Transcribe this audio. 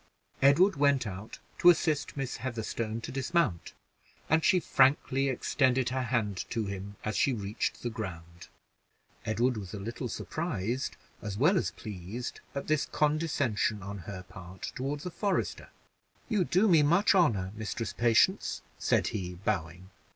Edward went out to assist Miss Heatherstone to dismount, and she frankly extended her hand to him as she reached the ground. Edward was a little surprised as well as pleased, at this condescension on her part toward a forester. "You do me much honor, Mistress Patience," said he, bowing.